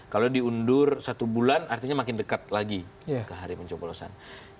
kalau diundur satu bulan artinya makin dekat lagi ke hari pencoblosan